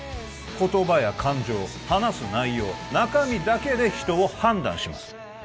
言葉や感情話す内容中身だけで人を判断します